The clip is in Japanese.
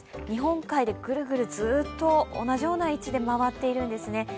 日本海でぐるぐるずっと、同じような位置で回っているんですね。